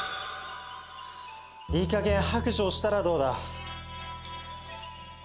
いい加減白状したらどうだ？